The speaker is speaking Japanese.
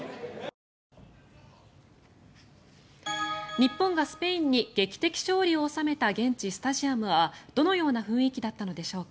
日本がスペインに劇的勝利を収めた現地スタジアムはどのような雰囲気だったのでしょうか。